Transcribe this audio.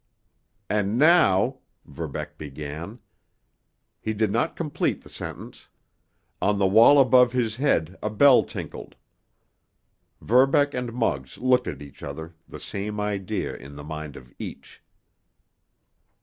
"And now——" Verbeck began. He did not complete the sentence. On the wall above his head a bell tinkled. Verbeck and Muggs looked at each other, the same idea in the mind of each.